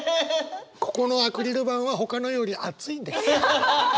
ここのアクリル板はほかのより厚いんです。